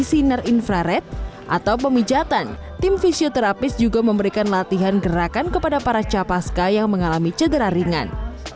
sinar infrared atau pemijatan tim fisioterapis juga memberikan latihan gerakan kepada para capaska yang mengalami cedera ringan